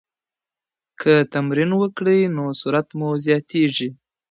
که تمرین وکړئ نو سرعت مو زیاتیږي.